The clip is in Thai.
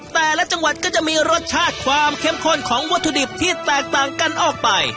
แต่ละจังหวัดก็จะมีรสชาติความเข้มข้นของวัตถุดิบที่แตกต่างกันออกไป